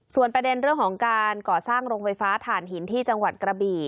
ส่วนประเด็นเรื่องของการก่อสร้างโรงไฟฟ้าถ่านหินที่จังหวัดกระบี่